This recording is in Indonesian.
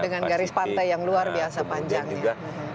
dengan garis pantai yang luar biasa panjangnya